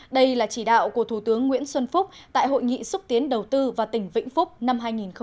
đây là chỉ đạo của thủ tướng nguyễn xuân phúc tại hội nghị xúc tiến đầu tư và tỉnh vĩnh phúc năm hai nghìn một mươi chín